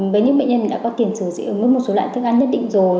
bởi những bệnh nhân đã có tiền sử dị ứng với một số loại thức ăn nhất định rồi